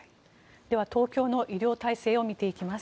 東京の医療体制を見ていきます。